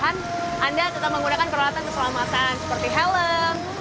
anda tetap menggunakan peralatan keselamatan seperti helm